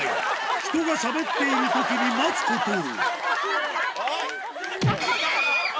人がしゃべっているときに待つことを。